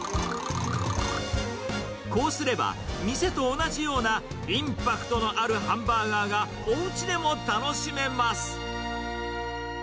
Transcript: こうすれば、店と同じようなインパクトのあるハンバーガーが、おうちでも楽しめます。